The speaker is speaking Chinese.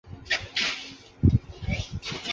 平日里他不仅要工作还要照顾年迈的奶奶。